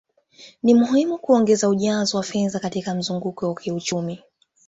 Ni muhimu kuongeza ujazo wa fedha katika mzunguko kiuchumi